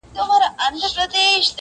ښه دی چي ونه درېد ښه دی چي روان ښه دی